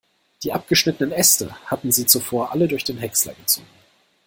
Die abgeschnittenen Äste hatten sie zuvor alle durch den Häcksler gezogen.